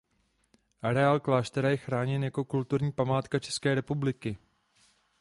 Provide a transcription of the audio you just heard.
Areál kláštera je chráněn jako kulturní památka České republiky.